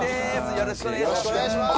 よろしくお願いします。